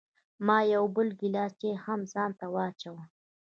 ما یو بل ګیلاس چای هم ځان ته واچوه.